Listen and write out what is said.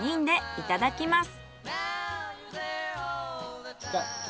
いただきます。